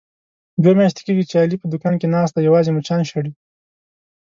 دوه میاشتې کېږي، چې علي په دوکان کې ناست دی یوازې مچان شړي.